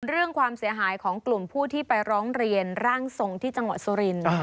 เรื่องความเสียหายของกลุ่มผู้ที่ไปร้องเรียนร่างทรงที่จังหวัดสุรินทร์